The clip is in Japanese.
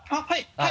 はい！